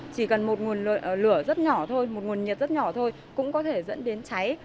chỉ cần một nguồn lửa rất nhỏ thôi một nguồn nhiệt rất nhỏ thôi cũng có thể dẫn đến cháy